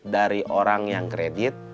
dari orang yang kredit